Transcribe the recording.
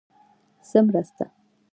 _څه مرسته؟